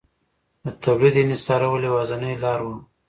د تولید انحصارول یوازینۍ لار وه